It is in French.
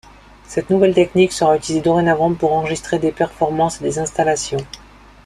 Cette nouvelle technique sera utilisée dorénavant pour enregistrer des performances et des installations.